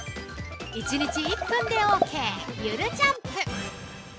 １日１分でオーケーゆるジャンプ。